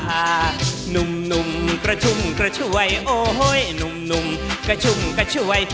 หนุ่มก็ชุ่มก็ช่วยหนุ่มก็ชุ่มก็ช่วย